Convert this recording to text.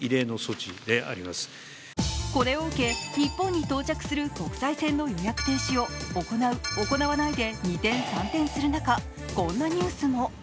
これを受け日本に到着する国際線の予約停止を行う、行わないで二転三転する中、こんなニュースも。